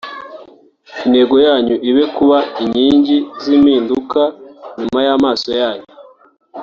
Intego yanyu ibe kuba inkingi z’impinduka nyuma y’amasomo yanyu